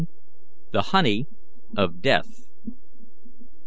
THE HONEY OF DEATH.